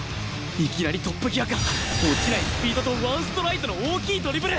いきなりトップギアから落ちないスピードとワンストライドの大きいドリブル！